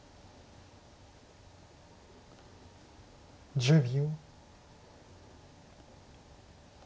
１０秒。